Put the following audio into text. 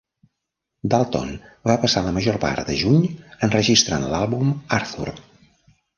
Dalton va passar la major part de juny enregistrant l'àlbum "Arthur".